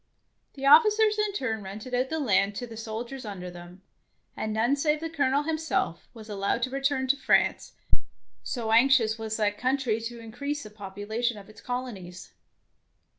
The officers in turn rented out the land to the soldiers under them, and none save the Colonel himself was allowed to return to France, so anxious was that country to increase the population of its colonies.